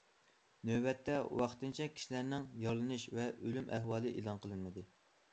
نۆۋەتتە ۋاقتىنچە كىشىلەرنىڭ يارىلىنىش ۋە ئۆلۈم ئەھۋالى ئېلان قىلىنمىدى.